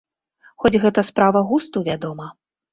Хоць гэта справа густу, вядома.